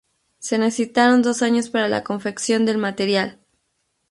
Se necesitaron dos años para la confección del material.